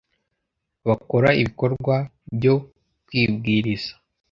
bakora ibikorwa byo kwibwiriza